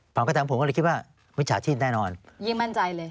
ความกระทำผมก็เลยคิดว่ามิจฉาชีพแน่นอนยิ่งมั่นใจเลย